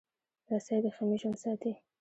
رسۍ د خېمې ژوند ساتي.